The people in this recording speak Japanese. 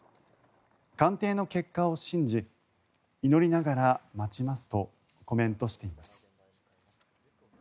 鑑定の結果を信じ祈りながら待ちますとコメントしています。